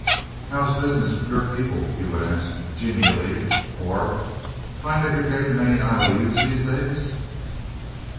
"How's business with you people?" he would ask, genially; or, "Find that you're getting many I.O.U.'s these days?"